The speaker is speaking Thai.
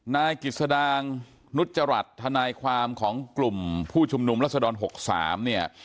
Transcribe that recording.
นายกิจสดางนุจจรัสทนายความของกลุ่มผู้ชุมนุมรัศดร๖๓เนี่ย